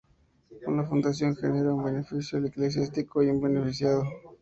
Una Fundación genera un beneficio eclesiástico y un beneficiado.